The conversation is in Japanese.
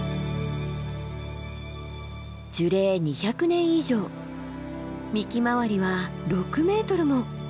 樹齢２００年以上幹回りは６ｍも。